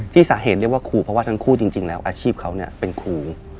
สาเหตุเรียกว่าครูเพราะว่าทั้งคู่จริงแล้วอาชีพเขาเป็นครู